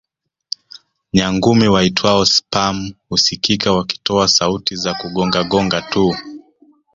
Nyangumi waitwao sperm husikika wakitoa sauti za kugonga gonga tu